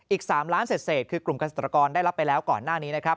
อีก๓ล้านเศษคือกลุ่มเกษตรกรได้รับไปแล้วก่อนหน้านี้นะครับ